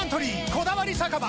「こだわり酒場